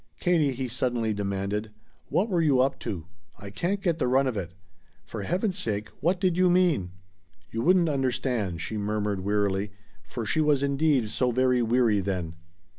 "Katie," he suddenly demanded, "what were you up to? I can't get the run of it. For heaven's sake, what did you mean?" "You wouldn't understand," she murmured wearily, for she was indeed so very weary then.